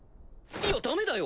いやダメだよ！